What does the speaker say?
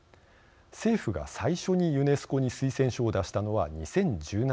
政府が最初にユネスコに推薦書を出したのは２０１７年。